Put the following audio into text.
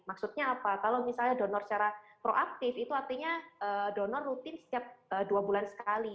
maksudnya apa kalau misalnya donor secara proaktif itu artinya donor rutin setiap dua bulan sekali